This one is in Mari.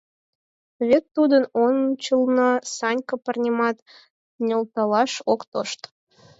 Вет тудын ончылно Санька парнямат нӧлталаш ок тошт.